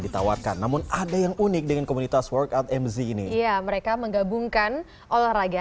ditawarkan namun ada yang unik dengan komunitas workout mz ini ya mereka menggabungkan olahraga